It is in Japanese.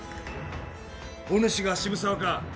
おぬしが渋沢か。